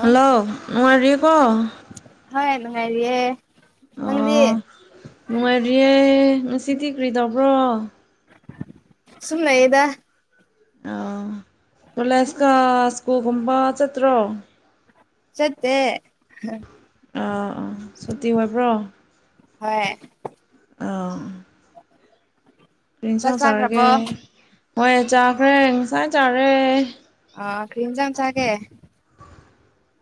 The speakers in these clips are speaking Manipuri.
ꯍꯜꯂꯣ ꯔꯌꯀꯣ ꯍꯣꯏ ꯅꯨꯡꯉꯥꯏꯔꯤꯌꯦ ꯅꯪꯗꯤ ꯑꯣ ꯅꯨꯡꯉꯥꯏꯔꯤꯌꯦꯦ ꯉꯁꯤꯗꯤꯤ ꯀ꯭ꯔꯤ ꯇꯧꯕ꯭ꯔꯣ ꯁꯨꯝꯅ ꯌꯦꯗ ꯑꯥ ꯀꯣꯂꯦꯖꯀ ꯁ꯭ꯀꯨꯜꯒꯨꯝꯕ ꯆꯠꯇ꯭ꯔꯣ ꯆꯠꯇꯦ ꯑꯥꯥ ꯁꯨꯇꯤ ꯑꯣꯏꯕ꯭ꯔꯣ ꯍꯣꯏ ꯑꯥ ꯆꯥꯛ ꯏꯟꯁꯥꯡ ꯆꯥꯔꯒꯦ ꯆꯥꯈ꯭ꯔꯕꯣ ꯍꯣꯏ ꯆꯥꯈ꯭ꯔꯦ ꯉꯁꯥꯏ ꯆꯥꯔꯦ ꯑ ꯀ꯭ꯔꯤꯝꯖꯝ ꯆꯒꯦ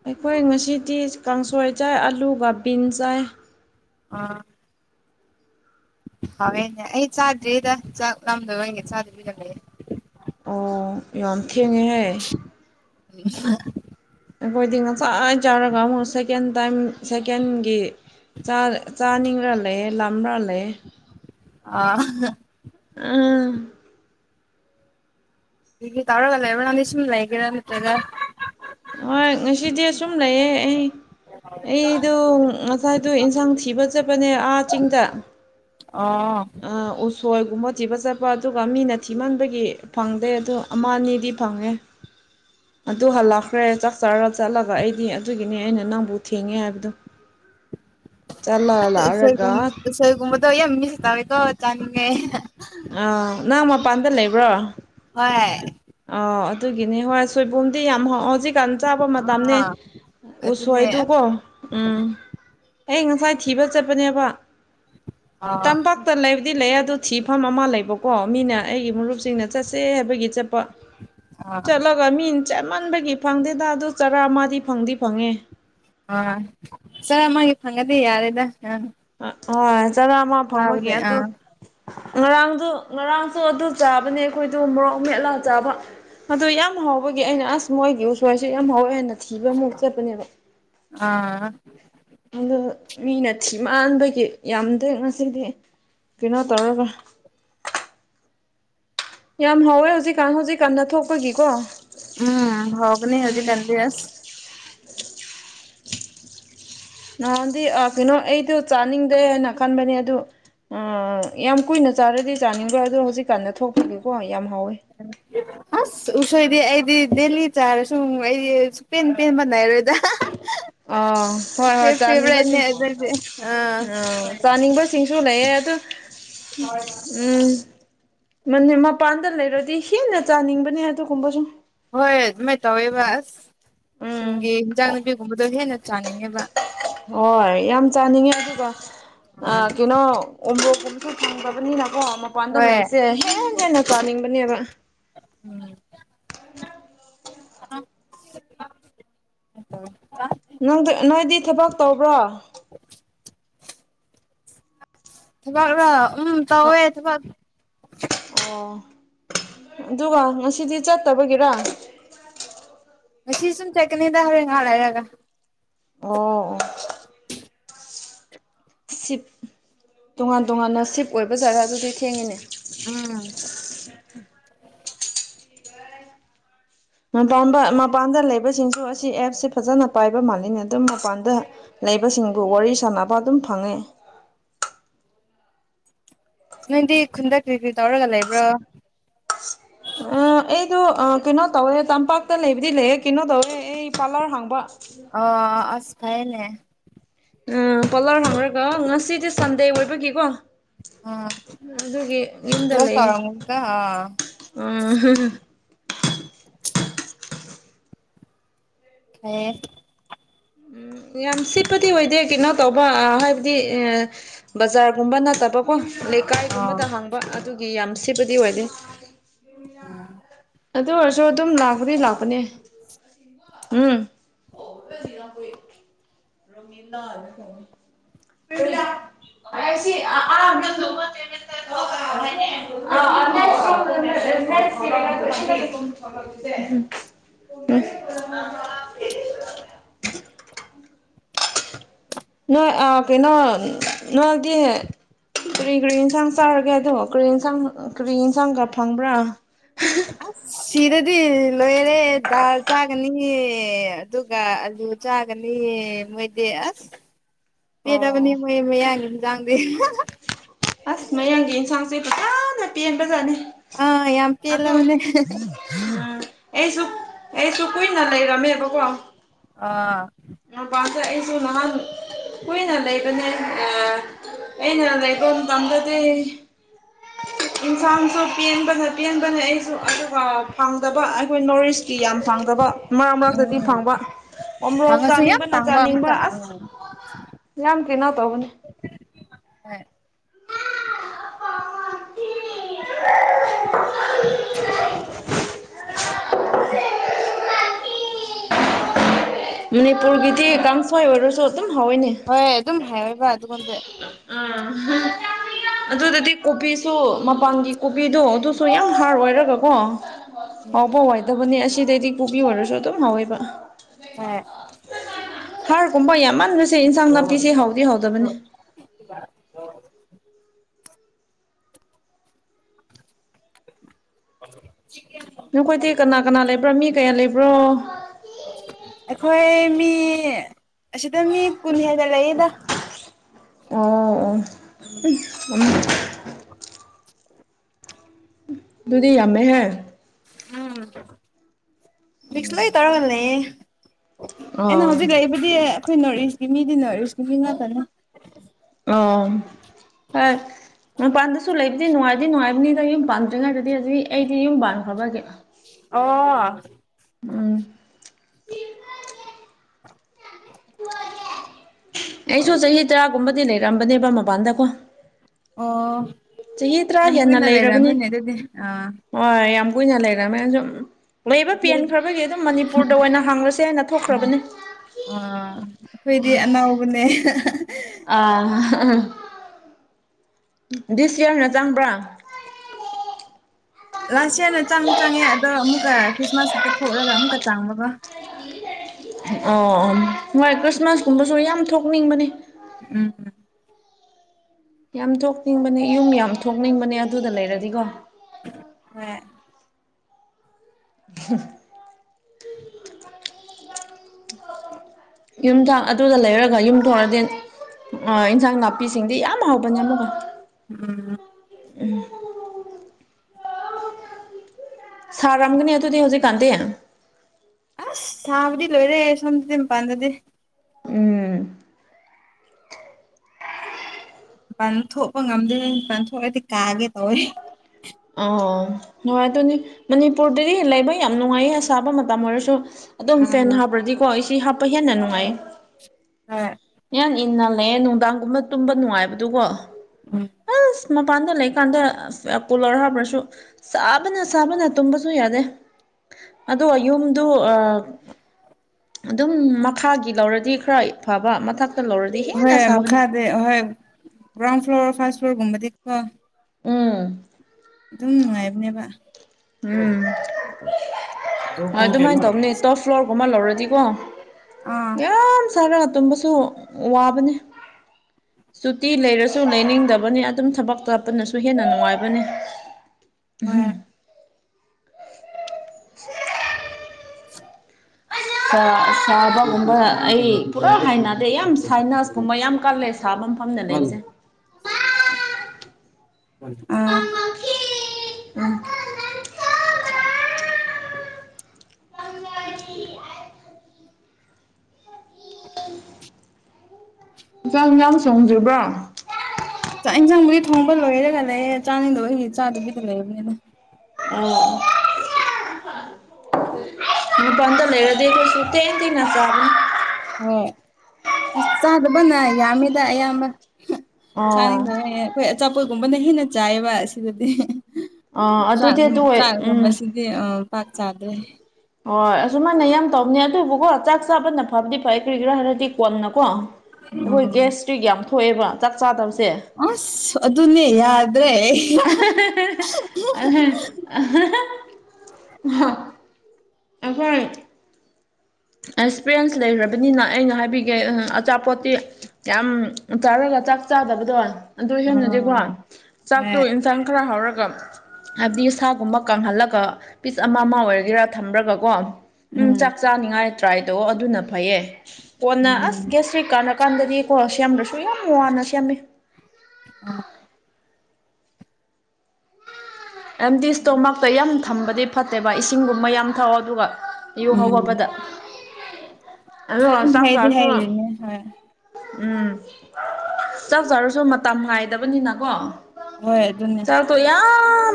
ꯑꯩꯈꯣꯏ ꯉꯁꯤꯗꯤ ꯀꯥꯡꯁꯣꯏ ꯆꯥꯏ ꯑꯂꯨꯒ ꯕꯤꯟ ꯆꯥꯏ ꯑꯥ ꯍꯋꯦꯅꯦ ꯑꯩ ꯆꯥꯗ꯭ꯔꯤꯦꯗ ꯆꯥꯛ ꯌꯥꯝꯝꯗꯣꯏ ꯑꯣꯏꯅꯒ ꯆꯥꯗꯔꯝꯃꯦ ꯑꯣ ꯌꯥꯝ ꯊꯦꯡꯉꯦꯍꯦ ꯎ ꯑꯩꯈꯣꯏꯗꯤ ꯉꯆꯥꯥꯏ ꯆꯥꯔꯒ ꯑꯃꯨꯛ ꯁꯦꯀꯦꯟ ꯇꯥꯏꯝ ꯁꯦꯀꯦꯟꯒꯤ ꯆꯥꯅꯤꯡꯂ ꯂꯩ ꯂꯝꯔꯥ ꯂꯩ ꯑ ꯑꯝ ꯏ ꯇꯧꯔꯒ ꯏꯔ ꯅꯁꯤꯂ ꯍꯒꯦꯔ ꯅꯠꯇ꯭ꯔꯦꯒ ꯍꯣꯏ ꯉꯁꯤꯗꯤ ꯑꯁꯨꯝ ꯂꯩꯌꯦ ꯑꯩ ꯑꯩꯗꯣ ꯉꯁꯥꯏꯗꯣ ꯑꯦꯟꯁꯥꯡ ꯊꯤꯕ ꯆꯠꯄꯅꯦ ꯑꯥ ꯆꯤꯡꯗ ꯑꯣ ꯑ ꯑꯣ ꯁꯣꯋꯏꯒꯨꯝꯃ ꯊꯤꯕ ꯆꯠꯄ ꯑꯗꯨꯒ ꯃꯤꯅ ꯊꯤꯃꯟꯕꯒꯤ ꯐꯪꯗꯦ ꯑꯗꯨ ꯑꯃ ꯑꯅꯤꯗꯤ ꯐꯪꯉꯦ ꯑꯗꯨ ꯍꯜꯂꯛꯈ꯭ꯔꯦ ꯆꯥꯛ ꯆꯥꯔ ꯆꯠꯂꯒ ꯑꯩꯗꯤ ꯑꯗꯨꯒꯤꯅꯦ ꯑꯩꯅ ꯅꯪꯕꯨ ꯊꯦꯡꯉꯦ ꯍꯥꯏꯕꯗꯣ ꯆꯠꯂ ꯁꯣꯏꯒ ꯂꯥꯛꯑꯔꯒ ꯁꯣꯏꯒꯨꯝꯕꯗ ꯌꯥꯝ ꯃꯤꯁ ꯇꯕꯦꯀꯣ ꯇꯅꯤꯡꯃꯦ ꯑꯥ ꯅꯪ ꯃꯄꯥꯟꯗ ꯂꯩꯕ꯭ꯔꯣ ꯍꯣꯏ ꯑ ꯑꯗꯨꯒꯤꯅꯤ ꯍꯣꯏ ꯁꯣꯏꯕꯨꯝꯗꯤ ꯌꯥꯝ ꯍꯧꯖꯤꯛ ꯀꯥꯟ ꯆꯥꯕ ꯃꯇꯝꯅꯦ ꯑꯥ ꯑꯗꯨꯅꯦ ꯎꯁꯣꯏꯗꯨꯀꯣ ꯎꯝ ꯑꯩ ꯉꯁꯥꯏ ꯊꯤꯕ ꯆꯠꯄꯅꯦꯕ ꯑꯁ ꯑꯥ ꯇꯝꯄꯥꯛꯇ ꯂꯩ ꯗꯤ ꯂꯩꯗꯣ ꯊꯤꯐꯝ ꯑꯃ ꯂꯩꯕꯀꯣ ꯃꯤꯅ ꯑꯩꯒꯤ ꯃꯔꯨꯞꯁꯤꯡꯅ ꯆꯠꯁꯦ ꯍꯥꯏꯕꯒꯤ ꯆꯠꯄ ꯑꯥ ꯆꯂꯒ ꯃꯤ ꯆꯦꯃꯟꯕꯒꯤ ꯐꯪꯗꯦꯗ ꯑꯗꯨ ꯆꯔꯥ ꯃꯥꯗꯤ ꯐꯪꯗꯤ ꯐꯪꯉꯦ ꯑꯥ ꯆꯔ ꯃꯥꯒꯤ ꯐꯪꯉꯗꯤꯦ ꯌꯥꯔꯦꯗ ꯑ ꯍꯣꯏ ꯆꯔꯥ ꯑꯃ ꯐꯪꯕꯒꯤꯦ ꯆꯥꯕꯗꯤ ꯑꯗꯨ ꯑꯥ ꯉꯔꯥꯡꯗꯣ ꯉꯔꯥꯡꯁꯨ ꯑꯗꯨ ꯆꯥꯕꯅꯦ ꯑꯩꯈꯣꯏꯗ ꯃꯣꯔꯣꯛ ꯃꯦꯠꯂꯥ ꯆꯥꯕ ꯑꯗꯨ ꯌꯥꯝ ꯍꯥꯎꯕꯒꯤ ꯑꯩꯅ ꯑꯁ ꯃꯣꯏꯒꯤ ꯎꯁꯋꯥꯏꯁꯨ ꯌꯥꯝ ꯍꯥꯎꯋꯦ ꯍꯟꯅ ꯊꯤꯕ ꯑꯃꯨꯛ ꯆꯠꯄꯅꯦꯕ ꯑꯥ ꯑꯗꯨ ꯃꯤꯅ ꯊꯤ ꯃꯥꯟꯕꯒꯤ ꯌꯥꯝꯗꯦ ꯉꯁꯤꯗꯤ ꯀꯅꯣ ꯇꯧꯔꯒ ꯌꯥꯝ ꯍꯧꯋꯦ ꯍꯧꯖꯤꯛꯀꯥꯟ ꯍꯧꯖꯤꯛꯀꯥꯟꯗ ꯊꯣꯛꯣꯛꯄꯒꯤꯀꯣ ꯎꯝ ꯍꯅꯤ ꯍꯧꯖꯤꯛꯟꯗꯁ ꯅꯍꯥꯟꯗꯤ ꯀꯩꯅꯣ ꯑꯩꯗꯣ ꯆꯥꯅꯤꯡꯗ꯭ꯔꯦ ꯍꯥꯏꯅ ꯈꯟꯕꯅꯦ ꯑꯗꯨ ꯑꯥ ꯌꯥꯝ ꯀꯨꯏꯅ ꯆꯥꯔꯗꯤ ꯆꯥꯅꯤꯡꯗ꯭ꯔꯣꯏ ꯑꯗꯣ ꯍꯧꯖꯤꯛꯀꯥꯟꯗ ꯊꯣꯛꯄꯒꯦꯀꯣ ꯌꯥꯝ ꯍꯥꯎꯋꯦ ꯑꯁ ꯎꯁꯣꯏꯗꯤ ꯑꯩꯗꯤ ꯗꯦꯂꯤ ꯆꯥꯔ ꯁ ꯑꯩꯗꯤ ꯁꯨꯡꯄꯦꯟ ꯄꯦꯟꯕ ꯅꯩꯔꯣꯏꯗ ꯑꯥ ꯍꯣꯏ ꯍꯣꯏ ꯆꯥꯅꯤꯡꯕꯁꯤꯡ ꯑꯥ ꯆꯥꯅꯤꯡꯕꯁꯤꯡꯁꯨ ꯂꯩ ꯑꯦ ꯑꯗꯨ ꯎꯝ ꯃꯄꯥꯟꯗ ꯂꯩꯔꯗꯤ ꯍꯦꯟꯅ ꯆꯥꯅꯤꯡꯕꯅꯦ ꯑꯗꯨꯒꯨꯝꯕꯁꯨ ꯍꯣꯏꯣꯏ ꯑꯗꯨꯃꯥꯏꯅ ꯇꯧꯋꯦ ꯕꯥꯁ ꯎꯝ ꯈꯨꯟꯒꯤ ꯏꯟꯖꯥꯡ ꯅꯨꯄꯤꯒꯨꯝꯕꯗꯣ ꯍꯦꯟꯅ ꯆꯥꯅꯤꯡꯉꯦꯕ ꯍꯣꯏ ꯌꯥꯝ ꯆꯥꯅꯤꯡꯉꯦ ꯑꯗꯨꯒ ꯑ ꯑꯥ ꯀꯩꯅꯣ ꯎꯕꯣꯛ ꯀꯨꯝꯁꯨ ꯐꯪꯗꯕꯅꯤꯅꯀꯣ ꯃꯄꯥꯟꯗ ꯍꯣꯏ ꯂꯩꯕꯁꯦ ꯍꯦ ꯍꯦꯟꯅ ꯆꯥꯅꯤꯡꯉ ꯅꯤꯕ ꯎꯝ [unintelligible] ꯅꯪꯗꯤ ꯅꫭꯏꯗꯤ ꯊꯕꯛ ꯇꯧꯕ꯭ꯔꯣ ꯊꯕꯛ ꯇꯧꯋꯦ ꯊꯕꯛ ꯑꯗꯨꯒ ꯉꯁꯤꯗꯤ ꯆꯠꯇꯕꯒꯤꯔ ꯉꯁꯤ ꯁꯨꯝ ꯆꯠꯀꯅꯤꯗ ꯍꯣꯔꯦꯟ ꯉꯥꯟ ꯍꯥꯏꯔꯒ ꯑꯣ ꯁꯤꯞ ꯇꯣꯉꯥꯟ ꯇꯣꯉꯥꯟꯅ ꯁꯤꯞ ꯑꯣꯏꯕ ꯖꯔ ꯑꯗꯨꯗꯤ ꯊꯦꯡꯉꯤꯅꯦ ꯎꯝ ꯃꯄ ꯃꯄꯥꯟꯗ ꯂꯩꯕꯁꯤꯡꯁꯨ ꯑꯁꯤ ꯑꯦꯞꯁꯦ ꯐꯖꯅ ꯄꯥꯏꯕ ꯃꯥꯜꯂꯤꯅꯦ ꯑꯗꯨꯝ ꯃꯄꯥꯟꯗ ꯂꯩꯕꯁꯤꯡꯕꯨ ꯋꯥꯔꯤ ꯁꯥꯟꯅꯕ ꯑꯗꯨꯝ ꯐꯪꯉꯦ ꯅꯪꯗꯤ ꯈꯨꯟꯗꯛ ꯀꯔꯤ ꯀꯔꯤ ꯇꯧꯔꯒ ꯂꯩꯕ꯭ꯔꯣ ꯑꯩꯗꯣ ꯀꯩꯅꯣ ꯇꯧꯋꯦ ꯇꯝꯄꯥꯛꯇ ꯂꯩꯕꯗꯤ ꯂꯩꯌꯦ ꯀꯩꯅꯣ ꯇꯧꯋꯦ ꯑꯩ ꯄꯥꯔꯂꯔ ꯍꯥꯡꯕ ꯑꯣ ꯑꯁ ꯍꯥꯏꯥꯏꯅꯦ ꯑ ꯄꯂꯔ ꯍꯪꯔꯒꯣ ꯉꯁꯤꯗꯤ ꯁꯟꯗꯦ ꯑꯣꯏꯕꯒꯀꯣ ꯑ ꯑꯗꯨꯒꯤ ꯌꯨꯝꯗ ꯀ꯭ꯂꯣꯁ ꯂꯩꯌꯦ ꯇꯧꯔꯝꯒꯅꯤꯀꯣ ꯑ [unintelligible] ꯐꯌꯦ ꯎꯝ ꯌꯥꯝ ꯁꯤꯠꯄꯗꯤ ꯑꯣꯏꯗꯦ ꯀꯩꯅꯣ ꯇꯧꯕ ꯍꯥꯏꯕꯗꯤ ꯕꯖꯥꯔꯒꯨꯝꯕ ꯅꯠꯇꯕ ꯍꯣꯏ ꯑ ꯂꯩꯀꯥꯏꯒꯨꯝꯕꯗ ꯍꯥꯡꯕ ꯑꯗꯨꯒꯤ ꯌꯥꯝ ꯁꯤꯕꯨꯗꯤ ꯑꯣꯏꯗꯦ ꯎꯝ ꯑꯗꯨ ꯑꯣꯏꯔꯁꯨ ꯑꯗꯨꯝ ꯂꯥꯛꯄꯗꯤ ꯂꯥꯛꯄꯅꯦ ꯎꯝ ꯔꯃꯤ ꯂꯅ ꯐ [inaudible] [inaudible] ꯎ ꯅ ꯀꯩꯅꯩꯅ ꯅꯗꯤꯗꯤ ꯀꯔꯤ ꯀꯒꯥꯔꯤ ꯏꯟꯁꯥꯡ ꯆꯥꯔꯒꯦ ꯑꯗꯣ ꯀꯔꯤꯟꯥꯡ ꯀꯒꯥꯔꯤ ꯏꯟꯁꯥꯡꯒ ꯐꯪꯕ꯭ꯔꯥ ꯑꯁ ꯁꯤꯗꯗꯤ ꯂꯣꯏꯔꯦ ꯗꯥꯜ ꯆꯥꯒꯅꯤ ꯑꯗꯨꯒ ꯆꯒꯅꯤ ꯃꯣꯏꯗꯦ ꯑꯁ ꯄꯦꯗꯕꯅꯦꯝ ꯑꯣ ꯃꯦꯝꯃ ꯌꯥꯉ ꯆꯥꯡꯗꯦ ꯑꯁ ꯃꯌꯥꯡꯒꯤ ꯌꯦꯟꯁꯥꯡꯁꯦ ꯐꯖꯅ ꯄꯦꯟꯕ ꯖꯥꯠꯅꯤ ꯑꯥ ꯌꯥꯝ ꯑꯣ ꯄꯦꯜꯂꯕꯅꯦ ꯑꯩꯁꯨ ꯑꯩꯁꯨ ꯀꯨꯏꯅ ꯂꯩꯔꯝꯃꯦꯕꯀꯣ ꯑꯥ ꯁꯤꯗ ꯑꯩꯁꯨ ꯅꯍꯥꯟ ꯀꯨꯏꯅ ꯂꯩꯕꯅꯦ ꯑꯩꯅ ꯂꯩꯕ ꯁꯝꯕꯗꯤ ꯌꯦꯟꯁꯥꯡꯁꯨ ꯄꯦꯟꯕꯅ ꯄꯦꯟꯕꯅ ꯑꯩꯁꯨ ꯑꯗꯨꯒ ꯐꯪꯗꯕ ꯑꯩꯈꯣꯏ ꯅꯣꯔꯠ ꯏꯁ ꯤ ꯌꯥꯝ ꯐꯪꯗꯕ ꯃꯔꯛ ꯃꯔꯛꯇꯗꯤ ꯎꯝ ꯐꯪꯕ ꯑꯃ꯭ꯔꯣꯛ ꯇꯥꯡꯉꯁꯨ ꯌꯥꯝ ꯆꯥꯅꯤꯡꯕꯅ ꯇꯥꯡꯕ ꯆꯥꯅꯤꯡꯕ ꯑꯃꯨꯛꯀ ꯑꯁ ꯎꯝ ꯌꯥꯝ ꯀꯩꯅꯣ ꯇꯧꯕꯅꯦ ꯍ ꯃꯅꯤ ꯄꯨꯔꯒꯤꯗꯤ ꯀꯥꯟꯁ ꯑꯣꯏꯕꯔ ꯆꯣ ꯍꯣꯏ ꯑꯗꯨꯝ ꯍꯥꯏꯏꯕ ꯑꯗꯨꯒꯨꯝꯗꯤꯦ ꯍꯨ ꯑꯗꯨꯗꯗꯤ ꯀꯣꯕꯤꯁꯨ ꯃꯄꯥꯟꯒꯤ ꯀꯣꯕꯤꯗꯣ ꯑꯗꯨꯁꯨ ꯌꯥꯝ ꯍꯥꯔ ꯑꯣꯏꯔꯒꯀꯣ ꯍꯥꯎꯕ ꯋꯥꯏꯗꯕꯅꯤ ꯑꯁꯤꯗꯩꯗꯤ ꯄꯨꯕꯤ ꯑꯣꯏꯔꯁꯨ ꯑꯗꯨꯝ ꯍꯥꯎꯋꯦꯕ ꯍꯣꯏ ꯍꯔ ꯀꯨꯝꯕ ꯏ ꯑꯃ ꯌ [inaudible] ꯅꯈꯣꯏꯗꯤ ꯀꯅꯥ ꯀꯅꯥ ꯂꯩꯕ꯭ꯔꯥ ꯃꯤ ꯀꯌꯥ ꯂꯩꯕ꯭ꯔꯣ ꯑꯩꯈꯣꯏ ꯃꯤ ꯑꯁꯤꯗ ꯃꯤ ꯀꯨꯟ ꯍꯦꯒ ꯂꯩꯌꯦꯦꯗ ꯑꯣ ꯑꯗꯨꯗꯨꯗꯤ ꯑꯃꯦ ꯍꯥꯏ ꯎꯝ ꯃꯤꯛꯁ ꯂ ꯏ ꯇꯔꯒꯅꯤ ꯑꯩꯅ ꯑꯥ ꯍꯧꯖꯤꯛ ꯂꯩꯏꯕꯨꯗꯤ ꯑꯩꯈꯣꯏ ꯅꯣꯔꯠ ꯏꯁꯀꯤ ꯃꯤꯗꯤ ꯅꯣꯔꯠ ꯏꯁꯀꯤ ꯃꯤ ꯉꯥꯛꯇꯅꯤ ꯑꯣ ꯍ ꯃꯣꯏ ꯄꯥꯟꯗꯁꯨ ꯂꯩꯕꯗꯤ ꯅꯅꯨꯡꯉꯥꯏꯗꯤ ꯅꯅꯨꯡꯉꯥꯏꯅꯤ ꯩꯅ ꯌꯨꯝ ꯄꯥꯟꯗ꯭ꯔꯤꯉꯩꯗꯗꯤ ꯑꯗꯨꯒꯤ ꯑꯩꯗꯤ ꯌꯨꯝ ꯄꯥꯟꯈ꯭ꯔꯕꯒꯦ ꯑꯣ ꯎꯝ ꯑꯩꯁꯨ ꯆꯍꯤ ꯇꯔꯥꯒꯨꯝꯕꯗꯤ ꯂꯩꯔꯛꯝꯕꯅꯦꯕ ꯃꯄꯥꯟꯗꯀꯣ ꯑꯣ ꯆꯍꯤ ꯇꯔꯥ ꯌꯥꯝ ꯍꯦꯟꯅ ꯀꯨꯏꯅ ꯂꯩꯔꯕꯅꯤ ꯂꯩꯔꯝꯃꯤꯅꯦ ꯑꯗꯨꯗꯤ ꯑꯥ ꯍꯣꯏ ꯌꯥꯝ ꯀꯨꯏꯅ ꯂꯩꯔꯕꯃꯦ ꯁꯨꯝ ꯂꯩꯕ ꯑꯩꯈꯣꯏ ꯄꯦꯟꯈ꯭ꯔꯕꯒꯤ ꯑꯗꯨꯝ ꯃꯅꯤꯄꯨꯔꯗ ꯑꯣꯏꯅ ꯍꯪꯉꯁꯦ ꯍꯥꯏꯅ ꯊꯣꯛꯈ꯭ꯔꯕꯅꯤ ꯑ ꯑꯩꯈꯣꯏꯗꯤ ꯑꯅꯧꯕꯅꯦ ꯎꯝ ꯗꯤꯁ ꯌꯔꯅ ꯆꯪꯕ꯭ꯔꯥ ꯂꯥꯁꯦꯅ ꯆꯪ ꯆꯪꯉꯦ ꯑꯗꯣ ꯑꯃꯨꯛꯀ ꯈ꯭ꯔꯤꯁꯃꯥꯁꯛꯇ ꯊꯣꯛꯂꯒ ꯑꯃꯨꯛꯀ ꯆꯪꯕꯒ ꯑ ꯍꯣꯏ ꯈ꯭ꯔꯤꯁꯃꯥꯁꯀꯨꯝꯕꯁꯨ ꯌꯥꯝ ꯊꯣꯛꯅꯤꯡꯕꯅꯦ ꯎꯝ ꯌꯥꯝ ꯊꯣꯛꯅꯤꯡꯕꯅꯦ ꯌꯨꯝ ꯌꯥꯝ ꯊꯣꯛꯅꯤꯡꯕꯅꯦ ꯑꯗꯨꯗ ꯂꯩꯔꯗꯤꯀꯣ ꯑ [inaudible] ꯌꯨꯝꯊꯣꯡ ꯑꯗꯨꯗ ꯂꯩꯔꯒ ꯌꯨꯝꯊꯣꯡꯑꯗꯤ ꯑ ꯏꯟꯖꯥꯡ ꯅꯥꯄꯤꯁꯤꯡꯗꯤ ꯌꯥꯝ ꯍꯥꯎꯕꯅꯦ ꯑꯃꯈ ꯎꯝ ꯎꯝ ꯁꯔ ꯃꯪꯒꯅꯦ ꯑꯗꯨꯗꯤ ꯍꯧꯖꯤꯦ ꯀꯥꯟꯦ ꯑꯁ ꯁꯥꯕꯗꯤ ꯂꯣꯏꯔꯦ ꯁꯣꯝꯗꯗꯤ ꯃꯄꯥꯟꯗꯗꯤ ꯎꯝ ꯄꯥꯟꯊꯣꯛꯄ ꯉꯝꯗꯣꯏ ꯅꯣꯏ ꯄꯥꯟꯊꯣꯛꯂꯗꯤ ꯀꯥꯒꯦ ꯇꯧꯋꯦ ꯑꯣ ꯅꯨꯡꯉꯥꯏ ꯑꯗꯨꯅꯤ ꯃꯅꯤꯄꯨꯔꯗꯗꯤ ꯂꯩꯕ ꯌꯥꯝ ꯅꯨꯡꯉꯥꯏꯌꯦ ꯑꯁꯥꯕ ꯃꯇꯝ ꯑꯣꯏꯔꯁꯨ ꯑꯗꯨꯝ ꯐꯦꯟ ꯎꯝ ꯍꯥꯞꯄ꯭ꯔꯗꯤꯀꯣ ꯏ ꯍꯥꯞꯄ ꯍꯦꯟꯅ ꯅꯨꯡꯉꯥꯏ ꯑ ꯌꯥꯝ ꯏꯟꯅꯜꯂꯦ ꯅꯨꯡꯗꯥꯡꯒꯨꯝꯕ ꯇꯨꯝꯕ ꯅꯨꯡꯉꯥꯏꯕꯗꯨꯒꯣ ꯎꯝ ꯃꯄꯥꯟꯗ ꯂꯩꯀꯥꯟꯗ ꯀꯣꯂꯣꯔ ꯍꯥꯞꯄ꯭ꯔꯁꯨ ꯆꯥꯕꯅ ꯆꯥꯕꯅ ꯇꯨꯝꯕꯁꯨ ꯌꯥꯗꯦ ꯑꯗꯣ ꯌꯨꯝꯗꯨ ꯑ ꯑꯗꯨꯝ ꯃꯈꯥꯒꯤ ꯂꯧꯔꯗꯤ ꯈꯔ ꯐꯕ ꯃꯊꯛꯇ ꯂꯧꯔꯗꯤ ꯍꯣꯏ ꯍꯦꯟꯅ ꯁꯥꯕꯅꯤ ꯃꯈꯥꯗꯤ ꯍꯍꯣꯏ ꯒ꯭ꯔꯥꯎꯟ ꯐ꯭ꯂꯣꯔ ꯐꯥꯔꯁ ꯐ꯭ꯂꯣꯔꯒꯨꯝꯕꯗꯤ ꯀꯣ ꯎꯝ ꯎꯝꯅꯨꯡꯉꯥꯏꯕꯅꯦꯕ ꯎꯝ ꯑꯗꯨꯃꯥꯏꯅ ꯇꯧꯅꯦ ꯇꯣꯞ ꯐ꯭ꯂꯣꯔꯒꯨꯝꯕ ꯂꯧꯔꯗꯤꯀꯣ ꯑꯥ ꯌꯥꯝ ꯁꯥꯔꯒ ꯇꯨꯝꯕꯁꯨ ꯋꯥꯕꯅꯦ ꯁꯨꯇꯤ ꯂꯩꯔꯁꯨ ꯂꯩꯅꯤꯡꯗꯕꯅꯤ ꯑꯗꯨꯝ ꯊꯕꯛ ꯇꯠꯄꯅꯁꯨ ꯍꯦꯟꯅ ꯅꯨꯡꯉꯥꯏꯕꯅꯤ ꯍꯣꯏ ꯎꯝ [inaudible] ꯑ ꯁꯥꯕꯒꯨꯝꯕ ꯑꯩ ꯄꯨꯔꯥ ꯍꯥꯏꯅꯗꯦ ꯌꯥꯝ ꯁꯥꯏꯅꯁꯀꯨꯝꯕ ꯌꯥꯝ ꯀꯜꯂꯦ ꯁꯥꯕ ꯃꯐꯝꯗ ꯂꯩꯕꯁꯦ [unintelligible] ꯑꯥ ꯎ ꯏꯟꯁꯥꯡꯁꯥꯡ ꯁꯪꯗ꯭ꯔꯤꯕ꯭ꯔꯥ ꯆꯥꯛ ꯌꯦꯟꯁꯥꯡꯗꯨꯒꯤ ꯊꯣꯡꯕ ꯂꯣꯏꯔꯒ ꯂꯩꯌꯦ ꯆꯥꯅꯤꯡꯗꯕ ꯑꯩꯗꯤ ꯆꯥꯗꯨꯒꯤꯗ ꯂꯩꯕꯅꯤꯅ ꯎꯝ ꯃꯄꯟꯗ ꯂꯩꯔ ꯗꯣꯁꯨꯇ ꯊꯅ ꯁꯥꯃ ꯍ ꯑꯁ ꯆꯗꯕꯅ ꯌꯥꯝꯃꯤꯗ ꯌꯥꯝꯕ ꯑꯣ ꯆꯥꯅꯤꯡꯗꯕ ꯑꯩꯈꯣꯏ ꯑꯆꯥꯄꯣꯠꯒꯨꯝꯕꯅ ꯍꯦꯟꯅ ꯆꯥꯏꯌꯦꯕ ꯑꯁꯤꯗꯗꯤ ꯑꯥ ꯆꯥꯛ ꯑꯗꯨꯗꯤ ꯑꯗꯨ ꯑꯣꯏ ꯎꯝ ꯆꯥꯛꯒꯨꯝꯕꯁꯤꯗꯤ ꯑ ꯄꯥꯛ ꯆꯥꯗ꯭ꯔꯦ ꯍꯣꯏ ꯑꯁꯨꯃꯥꯏꯅ ꯌꯥꯝ ꯇꯧꯅꯦ ꯑꯗꯨꯕꯨꯀꯣ ꯆꯥꯛ ꯆꯥꯕꯅ ꯐꯕꯗꯤ ꯐꯩ ꯀ꯭ꯔꯤꯒ꯭ꯔꯥ ꯍꯥꯏꯔꯗꯤ ꯀꯣꯟꯅꯀꯣ ꯑꯩꯈꯣꯏ ꯎꯝ ꯒ꯭ꯦꯁꯇꯔꯤ ꯌꯥꯝ ꯊꯣꯛꯑꯦꯕ ꯆꯥꯛ ꯆꯥꯗꯕ ꯑꯁ ꯑꯗꯨꯅꯦ ꯌꯥꯗ꯭ꯔꯦ ꯑ ꯍ ꯑꯚꯣꯏ ꯑꯦꯛꯁꯄꯤꯔꯤꯌꯦꯟꯁ ꯂꯩꯔꯕꯅꯤꯅ ꯑꯩꯅ ꯍꯥꯏꯕꯤꯒꯦ ꯑꯆꯥꯄꯣꯠꯇꯤ ꯌꯥꯝ ꯇꯥꯔꯒ ꯆ ꯑꯥ ꯍꯣꯏ ꯍꯥꯏꯕꯗꯤ ꯁꯥꯒꯨꯝꯕ ꯀꯪꯍꯜꯂꯒ ꯄꯤꯁ ꯑꯃ ꯑꯃ ꯑꯣꯏꯔꯒꯦꯔꯥ ꯊꯝꯕ꯭ꯔꯒꯀꯣ ꯎꯝ ꯆꯥꯛ ꯆꯥꯅꯤꯉꯥꯏ ꯇ꯭ꯔꯥꯏ ꯇꯧ ꯑꯗꯨꯅ ꯐꯩꯌꯦ ꯀꯣꯟꯅ ꯑꯁ ꯎꯝ ꯒꯦꯁꯇ꯭ꯔꯤꯛ ꯀꯥꯟꯅ ꯀꯀꯥꯟꯗꯗꯤꯀꯣ ꯁꯦꯝꯗ꯭ꯔꯁꯨ ꯌꯥꯝ ꯋꯥꯅ ꯁꯦꯝꯃꯦ ꯑꯦꯝꯗꯤ ꯏꯁꯇꯣꯞꯃꯛꯇ ꯌꯥꯝ ꯊꯝꯕꯗꯤ ꯐꯠꯇꯦꯕ ꯏꯁꯤꯡꯒꯨꯝꯕ ꯌꯥꯝ ꯊꯥꯎꯑꯣ ꯑꯗꯨꯒ ꯌꯦꯣꯡ ꯎꯝ ꯍꯧꯒꯄꯗ ꯍꯜꯂꯣ ꯑꯗꯨꯝ ꯆꯥꯛ ꯐꯥ ꯍꯩꯗꯤ ꯁꯣ ꯍꯩꯔꯤꯅꯦ ꯍꯣꯏ ꯎꯝ ꯆꯞ ꯆꯥꯔꯨꯁꯨ ꯃꯇꯝ ꯉꯥꯏꯗꯕꯅꯤꯅꯀꯣ ꯍꯣꯏ ꯑꯗꯨꯅꯦ ꯆꯠ ꯇꯣ ꯌꯥ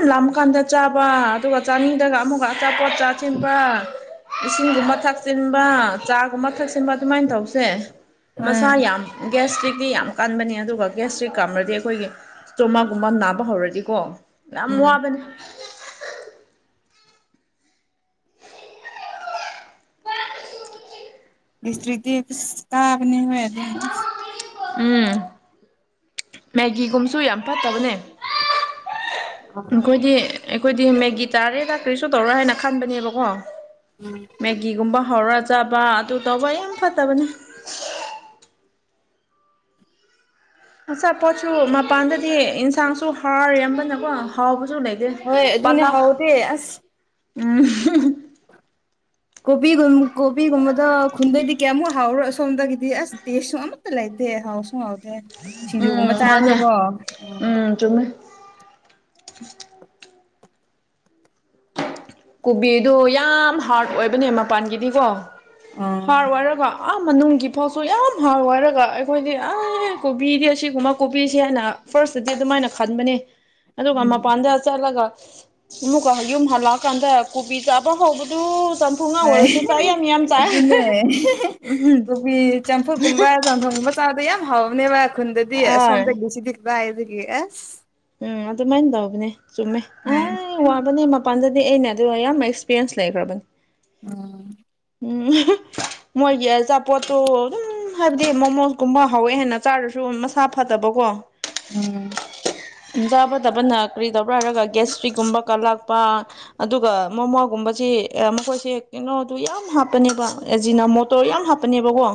ꯌꯥꯝ ꯂꯥ ꯀꯥꯟꯗ ꯆꯥꯕ ꯑꯗꯨꯒ ꯆꯥꯅꯤꯡꯗꯒ ꯑꯃꯨꯛꯀ ꯑꯆꯥꯄꯣꯠ ꯆꯥꯁꯤꯤꯟꯕ ꯏꯁꯤꯡꯒꯨꯝꯕ ꯊꯛꯆꯤꯟꯕ ꯆꯥꯒꯨꯝꯕ ꯊꯛꯆ ꯑꯁꯤꯟꯕ ꯑꯗꯨꯃꯥꯏꯅ ꯇꯧꯁꯦ ꯍꯣꯏ ꯃꯁꯥ ꯌꯥꯝ ꯒ꯭ꯁꯇ꯭ꯔꯤꯛꯇꯛꯇꯤ ꯌꯥꯝ ꯀꯟꯕꯅꯤ ꯑꯗꯨꯒ ꯒꯁꯇ꯭ꯔꯤꯛ ꯀꯥꯝꯔꯗꯤ ꯑꯩꯈꯣꯏꯒꯤ ꯏꯁꯇꯣꯃꯥꯒꯨꯝꯕ ꯅꯥꯕ ꯍꯧꯔꯗꯤꯀꯣ ꯌꯥꯝ ꯎꯝ ꯋꯥꯕꯅꯦ ꯏꯁꯁꯇ꯭ꯔꯤꯗꯤ ꯄꯨ ꯇꯥꯕꯅꯦ ꯍ ꯑꯗꯨꯝꯁ ꯎꯝ ꯃꯦꯒꯤꯒꯨꯝꯁꯨ ꯌꯥꯝ ꯐꯠꯇꯕꯅꯦ ꯑꯩꯈꯣꯏꯗꯤ ꯑꯩꯈꯣꯏꯗꯤ ꯃꯦꯒꯤ ꯇꯥꯔꯦꯗꯥꯛ ꯀꯔꯤꯁꯨ ꯇꯧꯔ ꯍꯥꯏꯅ ꯈꯟꯕꯅꯦꯕꯀꯣ ꯃꯦꯒꯤꯒꯨꯝꯕ ꯍꯧꯔ ꯆꯥꯕ ꯑꯗꯨ ꯇꯧꯕ ꯌꯥꯝ ꯐꯠꯇꯕꯅꯦ ꯑꯆꯥ ꯄꯣꯠꯁꯨ ꯃꯄꯥꯟꯗꯗꯤ ꯏꯟꯁꯥꯡꯁꯨ ꯍꯥꯎꯔꯔꯝꯕꯅꯀꯣ ꯍꯥꯎ ꯁꯨꯅꯗ ꯍꯣꯏ ꯑꯗꯨꯅꯦ ꯄꯂꯥ ꯍꯥꯎꯗꯦ ꯑꯁ ꯎꯝ ꯀꯣꯕꯤꯒꯨꯝ ꯀꯣꯕꯤꯒꯨꯝꯕꯗ ꯈꯨꯟꯗꯩꯗꯤ ꯀꯌꯥꯃꯨꯛ ꯍꯥꯎꯔꯣ ꯁꯣꯝꯗꯒꯤꯗꯤ ꯑꯁ ꯇꯦꯁꯁꯨ ꯑꯃ ꯥꯏꯗꯦ ꯍꯥꯎ ꯁꯨꯡ ꯎꯝ ꯃꯥꯅꯦ ꯎꯝ ꯆꯨꯝꯃꯦ ꯎꯝ ꯀꯣꯕꯤꯗꯣ ꯌꯥꯝ ꯍꯥꯔꯠ ꯑꯣꯏꯕꯅꯦ ꯃꯄꯥꯟꯒꯤꯗꯤꯀꯣ ꯑꯥ ꯍꯥꯔꯠ ꯑꯣꯏꯔꯔꯕꯣ ꯑꯥ ꯃꯅꯨꯡꯒꯤ ꯐꯥꯎꯁꯨ ꯌꯥꯝ ꯍꯥꯎꯋꯏꯔꯒ ꯑꯩꯈꯣꯏꯗꯤ ꯑꯦ ꯀꯣꯕꯤꯗꯤ ꯑꯁꯤꯒꯨꯝꯕ ꯀꯣꯕꯤꯁꯦ ꯍꯥꯏꯅ ꯐꯥꯔꯁꯇꯗꯤ ꯑꯗꯨꯃꯥꯏꯅ ꯈꯟꯕꯅꯦ ꯑꯗꯨꯒ ꯎꯝ ꯃꯄꯥꯟꯗ ꯆꯠꯂꯒ ꯑꯃꯨꯛꯀ ꯌꯨꯝ ꯍꯂꯥꯎ ꯀꯥꯟꯗ ꯀꯣꯕꯤ ꯆꯥꯕ ꯍꯕꯨꯗꯨ ꯍꯣꯏ ꯑꯗꯨꯅꯦ ꯎꯝ ꯀꯣꯕꯤ ꯆꯝꯐꯨꯀꯨꯝꯕ꯭ꯔ ꯆꯝꯐꯝ ꯃꯆꯥꯗꯣ ꯌꯥꯝ ꯍꯥꯎꯕꯅꯦꯕ ꯑꯥ ꯈꯨꯟꯗꯗꯤꯁꯣꯝꯗꯒꯤꯁꯤ ꯛꯛꯇ ꯍꯥꯏꯗꯒꯤ ꯑꯁ ꯎꯝ ꯑꯗꯨ ꯃꯥꯏ ꯇꯕꯅꯦ ꯁꯨꯝꯃꯦ ꯑ ꯍꯣꯏ ꯋꯥꯕꯅꯦ ꯃꯄꯥꯟꯗ ꯑꯗꯨꯗꯤ ꯑꯩꯅ ꯑꯗꯨ ꯌꯥꯝ ꯑꯦꯛꯁꯄꯤꯔꯤꯌꯦꯟꯁ ꯂꯩꯈ꯭ꯔꯕꯅꯤ ꯎꯝ ꯎ ꯃꯣꯏꯒꯤ ꯑꯆꯥꯄꯣꯠꯇꯣ ꯑꯗꯨꯝ ꯨꯝ ꯍꯥꯏꯕꯗꯤ ꯃꯣꯃꯣꯁ ꯀꯨꯝꯕ ꯍꯧꯋꯦ ꯍꯥꯏꯦꯟꯅ ꯆꯥꯔꯁꯨ ꯃꯁꯥ ꯐꯗꯕꯀꯣ ꯎꯝ ꯖꯕ ꯇꯕꯅ ꯀꯔꯤꯗꯧꯕ꯭ꯔꯥ ꯍꯥꯏꯔꯒ ꯒꯦꯁꯇ꯭ꯔꯤꯒꯨꯝꯕ ꯀꯂꯥꯛꯄ ꯑꯗꯨꯒ ꯃꯣꯃꯣꯒꯨꯝꯕꯁꯤ ꯃꯈꯣꯏꯁꯤ ꯀꯩꯅꯣ ꯑꯗꯨ ꯌꯥꯝ ꯍꯥꯞꯄꯅꯦꯕ ꯑꯦꯖꯤꯅꯥ ꯃꯣꯇꯣꯔ ꯌꯥꯝ ꯍꯥꯞꯄꯅꯦꯕꯀꯣ